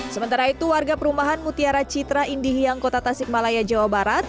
sementara itu warga perumahan mutiara citra indih yang kota tasikmalaya jawa barat